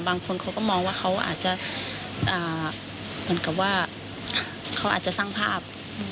บางคนเขาก็มองว่าเขาอาจจะสร้างภาพ